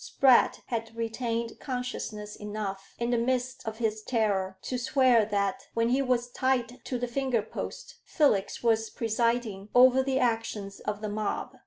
Spratt had retained consciousness enough, in the midst of his terror, to swear that, when he was tied to the finger post, Felix was presiding over the actions of the mob.